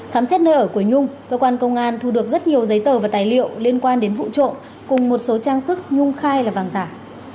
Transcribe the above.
khám xét nơi ở của nhung cơ quan công an thu được rất nhiều giấy tờ và tài liệu liên quan đến vụ trộm cùng một số trang sức nhung khai là vàng giả